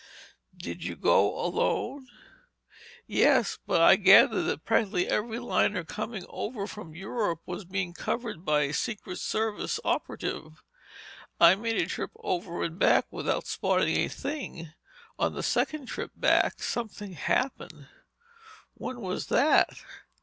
"Did you go alone?" "Yes, but I gathered that practically every liner coming over from Europe was being covered by a Secret Service operative. I made a trip over and back without spotting a thing. On the second trip back, something happened." "When was that?"